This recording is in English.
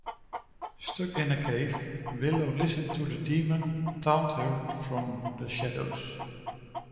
Stuck in the cave, Willow listens to the demon taunt her from the shadows.